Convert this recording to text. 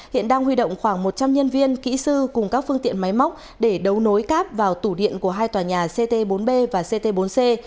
hiện đang huy động khoảng một trăm linh nhân viên kỹ sư cùng các phương tiện máy móc để đấu nối cáp vào tủ điện của hai tòa nhà ct bốn b và ct bốn c